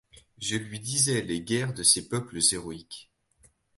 Je lui disais les guerres de ces peuples héroïques.